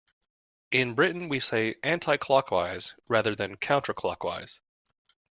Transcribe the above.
In Britain we say Anti-clockwise rather than Counterclockwise